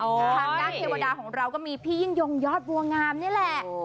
ทางด้านเทวดาของเราก็มีพี่ยิ่งยงยอดบัวงามนี่แหละ